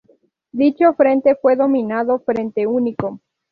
Dicho frente fue denominado "Frente Único".